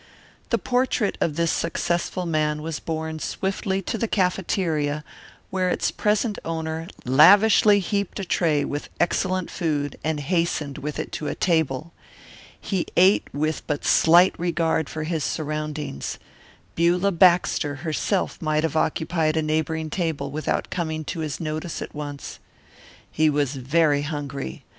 The portrait of this successful man was borne swiftly to the cafeteria where its present owner lavishly heaped a tray with excellent food and hastened with it to a table. He ate with but slight regard for his surroundings. Beulah Baxter herself might have occupied a neighbouring table without coming to his notice at once. He was very hungry.